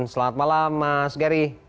selamat malam mas gary